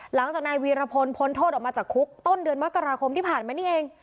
หลังจากนายวีรพลพ้นโทษออกมาจากคุกต้นเดือนมกราคมที่ผ่านมานี่เอง